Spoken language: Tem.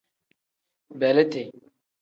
Beeliti.